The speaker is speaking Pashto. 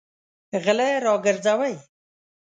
غله راوګرځوئ!